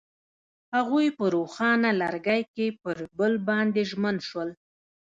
هغوی په روښانه لرګی کې پر بل باندې ژمن شول.